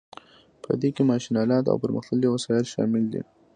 په دې کې ماشین الات او پرمختللي وسایل شامل دي.